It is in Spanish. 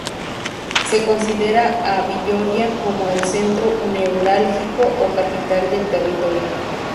Se considera a Villoria como el centro neurálgico o capital del territorio.